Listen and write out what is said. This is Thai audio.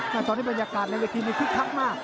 แต่ตอนนี้บรรยากาศในเวทีนี้คึกคักมาก